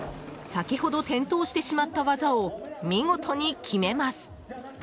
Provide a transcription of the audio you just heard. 先ほど転倒してしまった技を見事に決めます。